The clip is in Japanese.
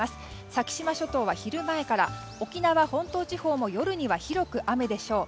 先島諸島は昼前から沖縄本島地方も夜には広く雨でしょう。